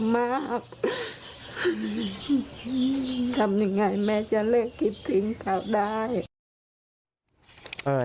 มากทำยังไงแม่จะเลิกคิดถึงเขาได้